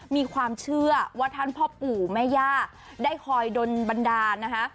มีความเชื่อว่าท่านพ่อปู่แม่ย่าได้คอยดนบันดาลนะคะ